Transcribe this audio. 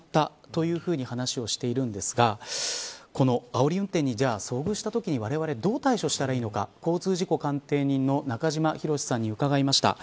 というふうに話をしているんですがこのあおり運転に遭遇したときにわれわれどう対処したらいいのか交通事故鑑定人の中島博史さんに伺いました。